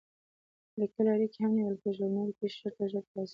لیکلې اړیکې هم نیول کېږي او نوې پېښې ژر تر ژره ترلاسه کېږي.